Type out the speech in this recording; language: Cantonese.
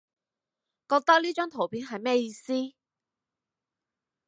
覺得呢張圖片係咩意思？